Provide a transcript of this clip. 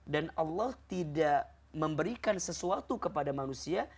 dan allah tidak memberikan sesuatu kepada manusia